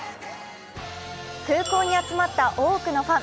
空港に集まった多くのファン。